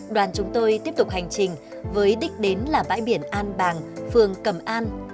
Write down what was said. đoàn chúng tôi tiếp tục hành trình với đích đến là bãi biển an bàng phường cẩm an